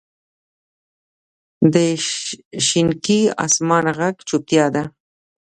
د شینکي اسمان ږغ چوپتیا ده.